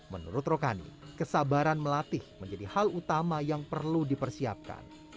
menurut rokani kesabaran melatih menjadi hal utama yang perlu dipersiapkan